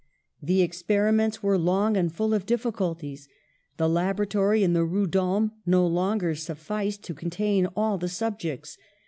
The experiments were long and full of diffi culties. The laboratory in the Rue d'Ulm no longer sufficed to contain all the subjects.